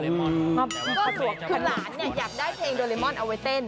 คือหลานเนี่ยอยากได้เพลงโดเรมอนเอาไว้เต้น